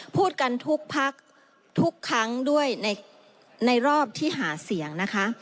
พูดกันทุกพักทุกครั้งด้วยในรอบที่หาเสียงนะคะ